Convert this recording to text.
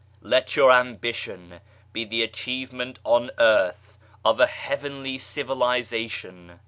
Let your ambition be the achievement on earth of a Heavenly Civilization